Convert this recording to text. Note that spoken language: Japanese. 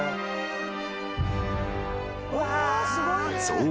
［そう。